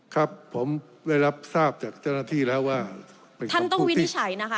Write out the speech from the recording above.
ครับผมได้รับทราบจากเจ้าหน้าที่แล้วว่าท่านต้องวินิจฉัยนะคะ